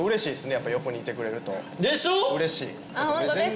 やっぱ横にいてくれると嬉しいホントですか？